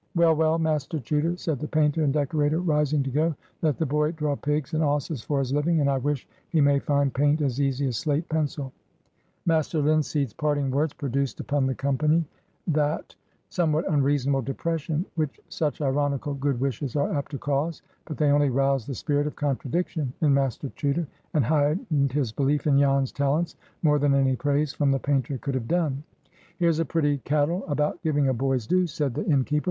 "Well, well, Master Chuter," said the painter and decorator, rising to go, "let the boy draw pigs and osses for his living. And I wish he may find paint as easy as slate pencil." Master Linseed's parting words produced upon the company that somewhat unreasonable depression which such ironical good wishes are apt to cause; but they only roused the spirit of contradiction in Master Chuter, and heightened his belief in Jan's talents more than any praise from the painter could have done. "Here's a pretty caddle about giving a boy's due!" said the innkeeper.